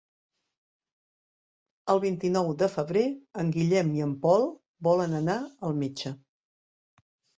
El vint-i-nou de febrer en Guillem i en Pol volen anar al metge.